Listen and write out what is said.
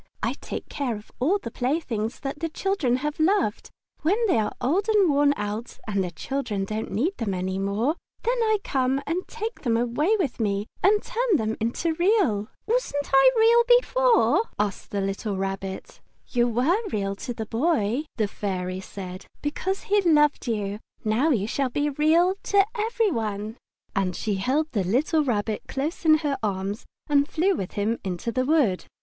"I take care of all the playthings that the children have loved. When they are old and worn out and the children don't need them any more, then I come and take them away with me and turn them into Real." "Wasn't I Real before?" asked the little Rabbit. "You were Real to the Boy," the Fairy said, "because he loved you. Now you shall be Real to every one." The Fairy Flower And she held the little Rabbit close in her arms and flew with him into the wood.